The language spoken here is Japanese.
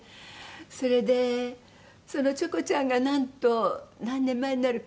それでそのチョコちゃんがなんと何年前になるか。